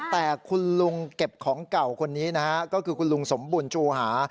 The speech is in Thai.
แต่คุณลุงเก็บของเก่าคนนี้นะฮะก็คือคุณลุงสมบุญชูหา